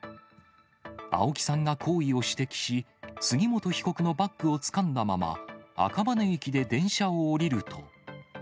青木さんが行為を指摘し、杉本被告のバッグをつかんだまま、赤羽駅で電車を降りると。